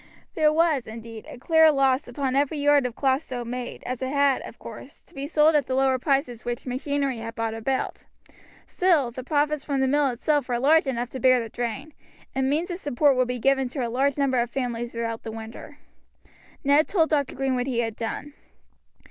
There was, indeed, a clear loss upon every yard of cloth so made, as it had, of course, to be sold at the lower prices which machinery had brought about; still the profits from the mill itself were large enough to bear the drain, and means of support would be given to a large number of families throughout the winter. Ned told Dr. Green what he had done.